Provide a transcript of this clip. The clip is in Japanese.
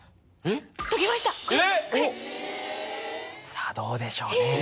さぁどうでしょうね？